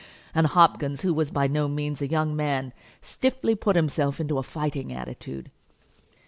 And Hopkins, who was by no means a young man, stiffly put himself into a fighting attitude.